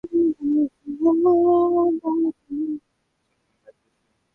আমাকেও সে সঙ্গে যাবার সময় ডাক দিয়েছিল।